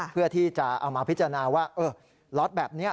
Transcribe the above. เพื่อที่จะเอามาพิจารณาว่าล็อตแบบนี้